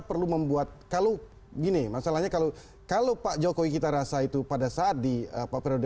perlu membuat kalau gini masalahnya kalau kalau pak jokowi kita rasa itu pada saat di periode